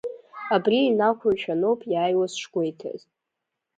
Абри инақәыршәаноуп иааиуаз шгәеиҭаз.